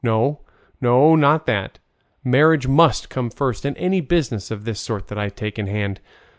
No, no, not that; marriage must come first in any business of this sort that I take in hand.